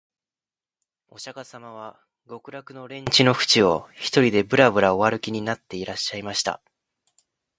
御釈迦様は極楽の蓮池のふちを、独りでぶらぶら御歩きになっていらっしゃいました